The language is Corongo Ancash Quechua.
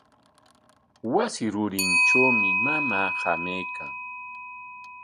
Wasi rurintrawmi mamaa hamaraykan.